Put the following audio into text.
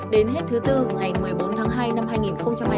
đến hết thứ bốn ngày một mươi bốn tháng hai năm hai nghìn hai mươi